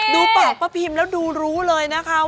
ดูปากป้าพิมแล้วดูรู้เลยนะคะ